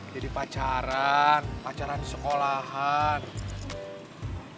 jadi pacaran pacaran di sekolahan